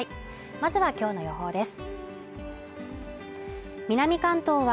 まずは今日の予報です。